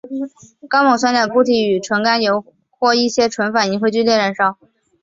高锰酸钾固体与纯甘油或一些醇反应会剧烈燃烧。